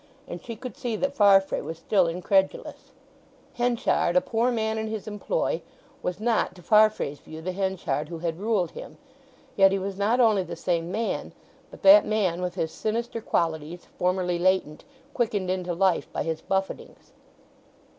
And she could see that Farfrae was still incredulous. Henchard, a poor man in his employ, was not to Farfrae's view the Henchard who had ruled him. Yet he was not only the same man, but that man with his sinister qualities, formerly latent, quickened into life by his buffetings.